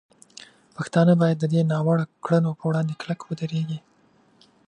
پښتانه باید د دې ناوړه کړنو په وړاندې کلک ودرېږي.